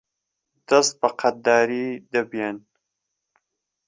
دهست به قهددارەی دهبیان